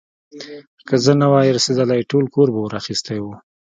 که زه نه وای رسېدلی، ټول کور به اور اخيستی و.